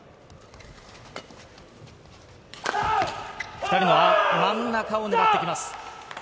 ２人の真ん中をねらってきます。